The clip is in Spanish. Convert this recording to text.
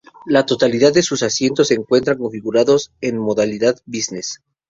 La totalidad de sus asientos se encuentra configurados en modalidad Business.